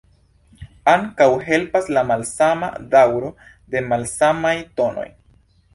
Ankaŭ helpas la malsama daŭro de malsamaj tonoj.